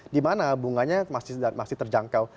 dimana bunganya masih terjangkau